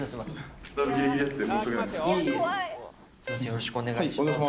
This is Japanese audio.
よろしくお願いします。